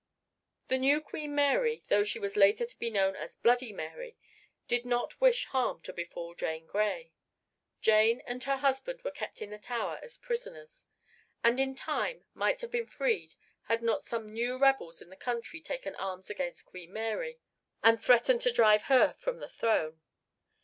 The new Queen Mary, though she was later to be known as Bloody Mary, did not wish harm to befall Jane Grey. Jane and her husband were kept in the Tower as prisoners and in time might have been freed had not some new rebels in the country taken arms against Queen Mary and threatened to drive her from the throne.